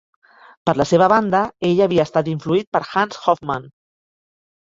Per la seva banda, ell havia estat influït per Hans Hofmann.